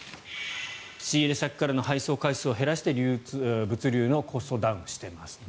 仕入れ先からの配送回数を減らして物流のコストダウンしてますと。